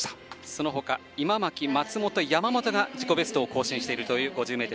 その他今牧、松本、山本が自己ベストを更新しているという５０ｍ